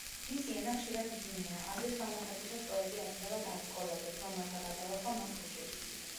მისი ენა ხშირად მძიმეა, აზრის გამოხატვისას პოეტი აწყდება დაბრკოლებებს, რომელთა გადალახვა მას უჭირს.